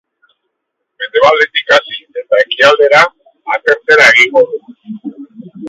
Mendebaldetik hasi eta ekialdera, atertzera egingo du.